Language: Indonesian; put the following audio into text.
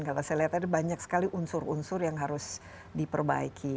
kalau saya lihat ada banyak sekali unsur unsur yang harus diperbaiki